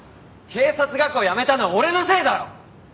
警察学校辞めたのは俺のせいだろ！